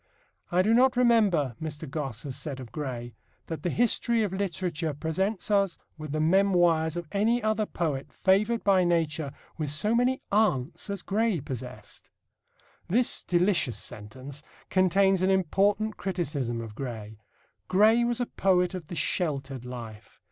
"I do not remember," Mr. Gosse has said of Gray, "that the history of literature presents us with the memoirs of any other poet favoured by nature with so many aunts as Gray possessed." This delicious sentence contains an important criticism of Gray. Gray was a poet of the sheltered life.